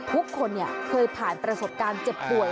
ทุกคนเคยผ่านประสบการณ์เจ็บป่วย